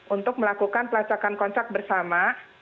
untuk melakukan pelacakan kontak bersama